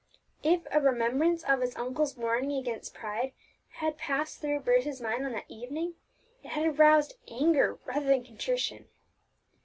If a remembrance of his uncle's warning against pride had passed through Bruce's mind on that evening, it had roused anger rather than contrition.